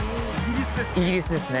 イギリスですか？